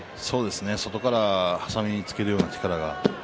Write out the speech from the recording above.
外から挟みつけるような力